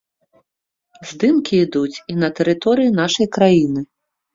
Здымкі ідуць і на тэрыторыі нашай краіны.